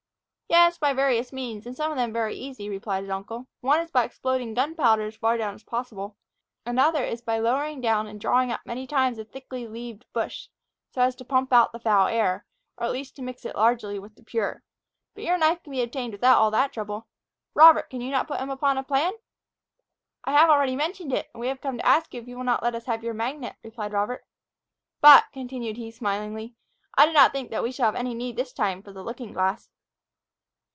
"Yes, by various means, and some of them very easy," replied his uncle. "One is by exploding gunpowder as far down as possible; another is by lowering down and drawing up many times a thickly leaved bush, so as to pump out the foul air, or at least to mix it largely with the pure. But your knife can be obtained without all that trouble. Robert, can you not put him upon a plan?" "I have already mentioned it, and we have come to ask if you will not let us have your magnet," replied Robert. "But," continued he smilingly, "I do not think that we shall have any need this time for the looking glass."